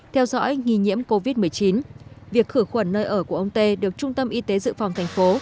theo dõi nghi nhiễm covid một mươi chín việc khử khuẩn nơi ở của ông tê được trung tâm y tế dự phòng thành phố